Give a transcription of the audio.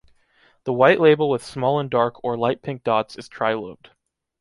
The white label with small and dark or light pink dots is tri-lobed.